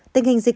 tình hình dịch